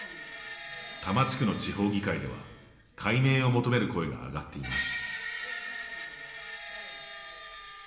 多摩地区の地方議会では解明を求める声が上がっています。